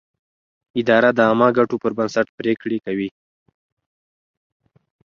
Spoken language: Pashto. اداره د عامه ګټو پر بنسټ پرېکړې کوي.